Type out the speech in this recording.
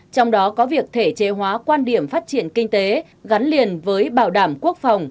trong đó có việc thể chế hóa quan điểm phát triển kinh tế gắn liền với bảo đảm quốc phòng